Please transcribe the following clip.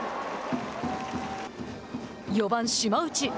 ４番島内。